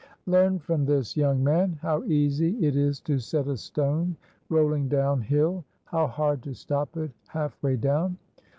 "Learn from this, young man, how easy it is to set a stone rolling down hill, how hard to stop it half way down.